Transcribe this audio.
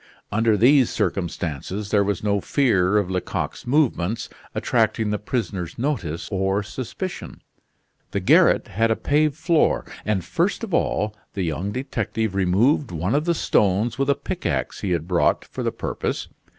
Under these circumstances there was no fear of Lecoq's movements attracting the prisoner's notice or suspicion. The garret had a paved floor, and first of all the young detective removed one of the stones with a pickax he had brought for the purpose.